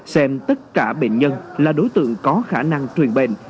xem tất cả bệnh nhân là đối tượng có khả năng truyền bệnh